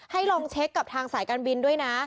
ลองเช็คกับทางสายการบินด้วยนะ